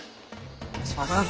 お願いします。